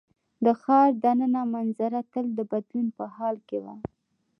د ښار د ننه منظره تل د بدلون په حال کې وه.